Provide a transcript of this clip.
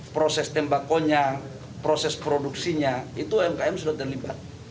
proses tembakau nya proses produksinya itu umkm sudah terlibat